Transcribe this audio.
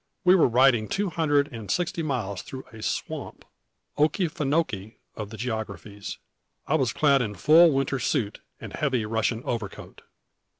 We were riding two hundred and sixty miles through a swamp, Okefinokee of the geographies. I was clad in full winter suit, with heavy Russian overcoat."